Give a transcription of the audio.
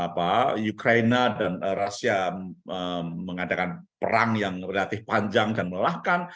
ukraina dan rusia mengadakan perang yang relatif panjang dan melelahkan